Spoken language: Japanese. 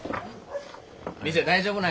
店大丈夫なんか？